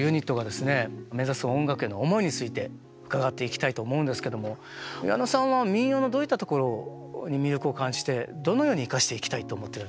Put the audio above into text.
目指す音楽の思いについて伺っていきたいと思うんですけども矢野さんは民謡のどういったところに魅力を感じてどのように生かしていきたいと思ってますか？